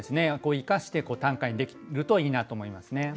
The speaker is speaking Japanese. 生かして短歌にできるといいなと思いますね。